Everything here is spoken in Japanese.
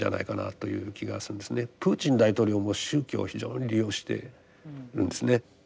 プーチン大統領も宗教を非常に利用してるんですね。